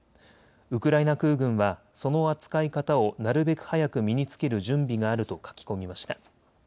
ウクライナ空軍はその扱い方をなるべく早く身につける準備があると書き込みました。